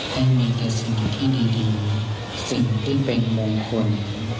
ให้มีแต่สิ่งที่ดีสิ่งที่เป็นมงคล